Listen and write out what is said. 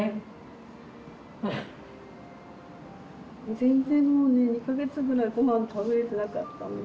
全然もうね２か月ぐらいごはん食べれてなかったので。